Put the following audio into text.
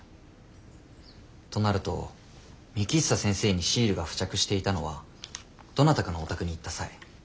となると幹久先生にシールが付着していたのはどなたかのお宅に行った際。